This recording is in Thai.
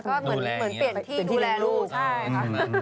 ก็เหมือนเปลี่ยนที่ดูแลลูก